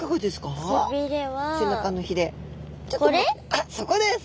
あっそこです！